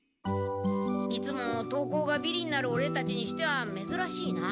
いつも登校がビリになるオレたちにしてはめずらしいな。